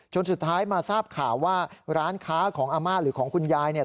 สุดท้ายมาทราบข่าวว่าร้านค้าของอาม่าหรือของคุณยายเนี่ย